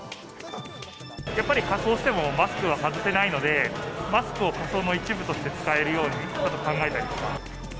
やっぱり仮装しても、マスクは外せないので、マスクを仮装の一部として使えるようにちょっと考えたりとか。